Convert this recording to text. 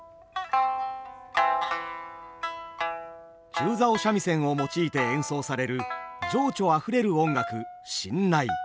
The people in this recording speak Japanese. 中棹三味線を用いて演奏される情緒あふれる音楽新内。